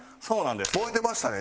燃えてましたね